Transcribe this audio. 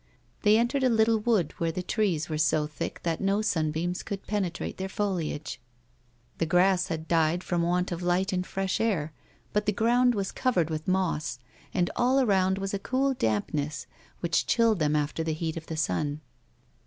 They entered a little wood where the trees were so thick that no sunbeams could penetrate their foliage ; the grass 36 A WOMAN'S LIPE. had died from want of light and fresh air, but the ground was covered with moss, and all around was a cool dampness which chilled them after the heat of the sun.